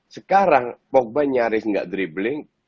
sekarang pogba nyaris tidak dribling